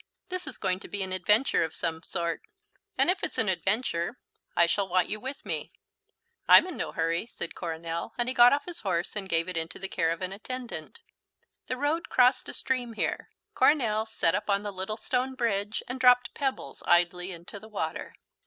"This is going to be an adventure of some sort, and if it's an adventure I shall want you with me." "I'm in no hurry," said Coronel, and he got off his horse and gave it into the care of an attendant. The road crossed a stream here. Coronel sat up on the little stone bridge and dropped pebbles idly into the water.